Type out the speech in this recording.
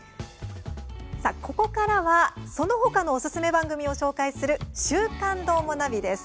ここからは、そのほかのおすすめ番組を紹介する「週刊どーもナビ」です。